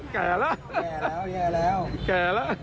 แก่ละ